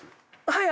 はい。